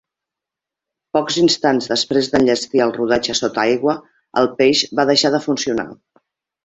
Pocs instants després d'enllestir el rodatge sota aigua, el peix va deixar de funcionar.